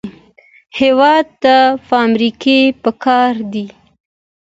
هېواد ته فابریکې پکار دي